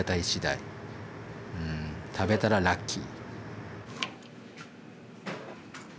食べたらラッキー。